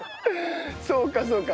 そうかそうか。